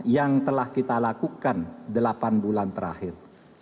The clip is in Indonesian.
yang telah kita lakukan delapan bulan terakhir